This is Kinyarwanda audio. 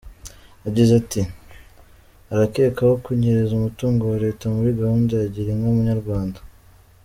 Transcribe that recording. Yagize ati “Arakekwaho kunyereza umutungo wa Leta muri gahunda ya Gira inka Munyarwanda.